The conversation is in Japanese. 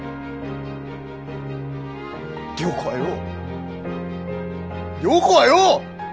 良子はよ良子はよ！